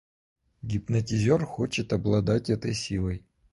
Гипнотизер хочет обладать этой силой.